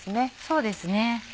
そうですね。